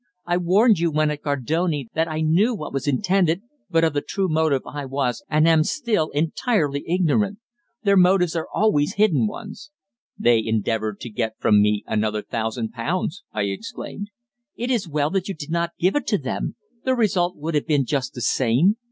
"I warned you when at Gardone that I knew what was intended, but of the true motive I was, and am still, entirely ignorant. Their motives are always hidden ones." "They endeavoured to get from me another thousand pounds," I exclaimed. "It is well that you did not give it to them. The result would have been just the same.